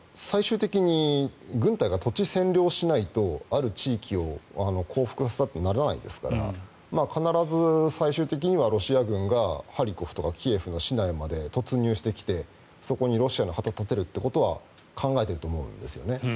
最終的に軍隊が土地占領しないとある地域を降伏させたとはならないですから必ず最終的にはロシア軍がハリコフとかキエフの市内まで突入してきてそこにロシアの旗を立てることは考えていると思うんですよね。